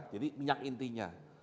jadi minyak intinya